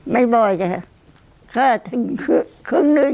ไม่บ่อยค่ะแค่ถึงครึ่งหนึ่ง